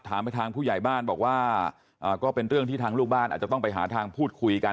ไปทางผู้ใหญ่บ้านบอกว่าก็เป็นเรื่องที่ทางลูกบ้านอาจจะต้องไปหาทางพูดคุยกัน